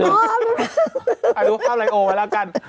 เอาดูภาพไลโอไว้แล้วกัน